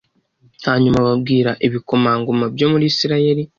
Hanyuma babwira ibikomangoma byo muri Isirayeli